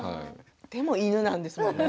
でも、犬なんですもんね。